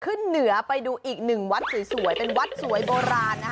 ขึ้นเหนือไปดูอีกหนึ่งวัดสวยเป็นวัดสวยโบราณนะคะ